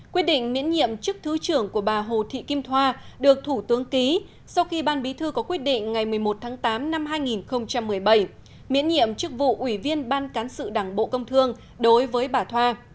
quyết định miễn nhiệm chức thứ trưởng của bà hồ thị kim thoa được thủ tướng ký sau khi ban bí thư có quyết định ngày một mươi một tháng tám năm hai nghìn một mươi bảy miễn nhiệm chức vụ ủy viên ban cán sự đảng bộ công thương đối với bà thoa